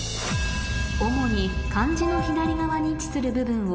主に漢字の左側に位置する部分を